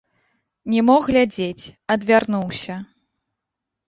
Не мог глядзець, адвярнуўся.